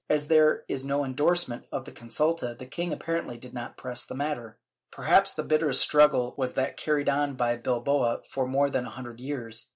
As there is no endorsement on this consulta, the king apparently did not press the matter.* Perhaps the bitterest struggle was that carried on by Bilbao for more than a hundred years.